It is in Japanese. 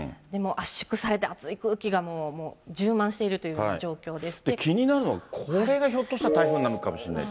圧縮されて、暑い空気が充満して気になるのが、これがひょっとしたら台風になるかもしれないって。